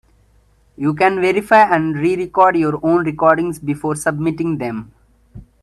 You can verify and re-record your own recordings before submitting them.